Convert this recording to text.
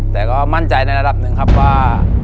แต่ก็มั่นใจในระดับหนึ่งครับว่า